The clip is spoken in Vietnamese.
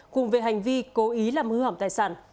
cùng về hành vi cố ý làm hư hỏng tài sản